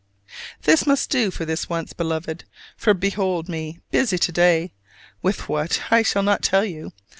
This must do for this once, Beloved; for behold me busy to day: with what, I shall not tell you.